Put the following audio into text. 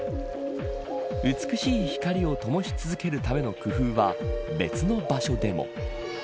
美しい光をともし続けるための工夫は別の場所でも。